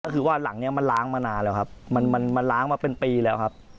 ก็คือว่าหลังนี้มันล้างมานานแล้วครับมันมันล้างมาเป็นปีแล้วครับ